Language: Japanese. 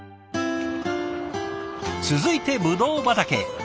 続いてブドウ畑へ。